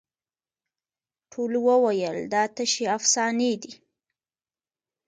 ټولو وویل دا تشي افسانې دي